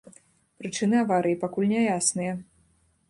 Прычыны аварыі пакуль няясныя.